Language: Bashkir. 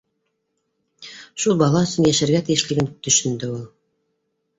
шул бала өсөн йәшәргә тейешлеген төшөндө ул